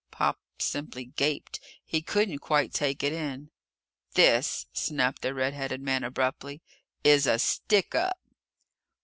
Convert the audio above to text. Pop simply gaped. He couldn't quite take it in. "This," snapped the red headed man abruptly, "is a stickup!"